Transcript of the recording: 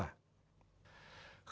không thể phủ nhận